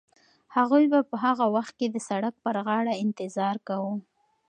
هغوی به په هغه وخت کې د سړک پر غاړه انتظار کاوه.